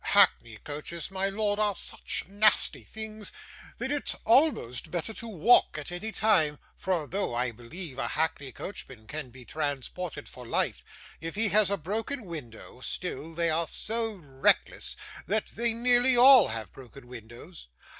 Hackney coaches, my lord, are such nasty things, that it's almost better to walk at any time, for although I believe a hackney coachman can be transported for life, if he has a broken window, still they are so reckless, that they nearly all have broken windows.